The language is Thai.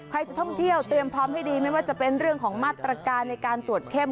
จะท่องเที่ยวเตรียมพร้อมให้ดีไม่ว่าจะเป็นเรื่องของมาตรการในการตรวจเข้ม